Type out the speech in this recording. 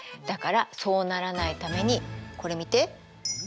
だからそうならないためにこれ見て。